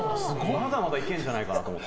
まだまだいけるんじゃないかなと思って。